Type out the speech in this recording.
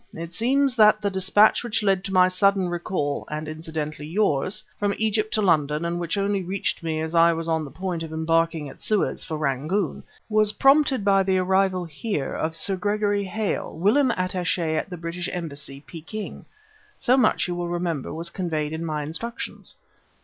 It seems that the despatch which led to my sudden recall (and incidentally yours) from Egypt to London and which only reached me as I was on the point of embarking at Suez for Rangoon, was prompted by the arrival here of Sir Gregory Hale, whilom attaché at the British Embassy, Peking. So much, you will remember, was conveyed in my instructions."